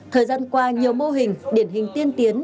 thời gian qua nhiều mô hình điển hình tiên tiến